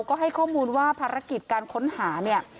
ก็ให้ข้อมูลว่าภารกิจการค้นหาเนี่ย